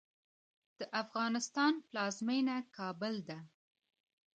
د افغانستان پلازمېنه کابل ده.